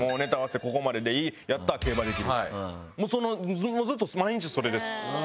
もうずっと毎日それです。